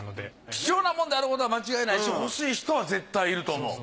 貴重なものであることは間違いないし欲しい人は絶対いると思う。